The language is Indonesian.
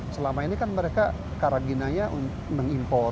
selama ini kan mereka karantinanya mengimpor